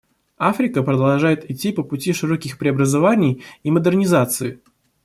Африка продолжает идти по пути широких преобразований и модернизации.